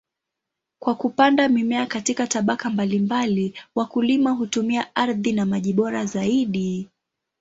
Kwa kupanda mimea katika tabaka mbalimbali, wakulima hutumia ardhi na maji bora zaidi.